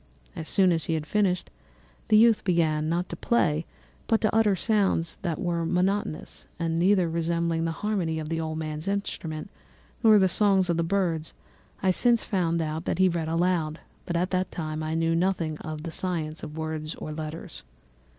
So soon as he had finished, the youth began, not to play, but to utter sounds that were monotonous, and neither resembling the harmony of the old man's instrument nor the songs of the birds; I since found that he read aloud, but at that time I knew nothing of the science of words or letters.